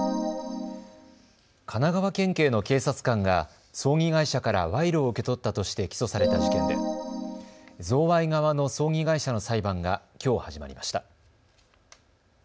神奈川県警の警察官が葬儀会社から賄賂を受け取ったとして起訴された事件で贈賄側の葬儀会社の裁判がきょう始まりました。